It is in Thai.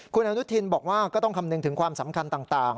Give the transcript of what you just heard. คุณอนุทินบอกว่าก็ต้องคำนึงถึงความสำคัญต่าง